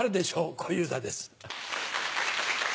小遊三です。